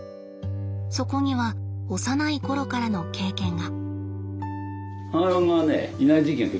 そこには幼い頃からの経験が。